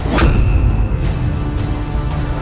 apa yang terjadi ini